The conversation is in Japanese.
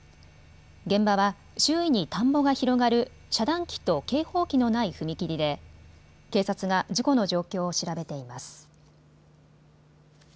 現場は周囲に田んぼが広がる遮断機と警報機のない踏切で警察が事故の状況を調べています。